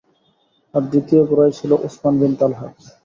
আর দ্বিতীয় ঘোড়ায় ছিল উসমান বিন তালহা।